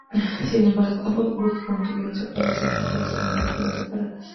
Sin embargo, ambos grupo mantuvieron separadas sus estructuras organizativas separadas.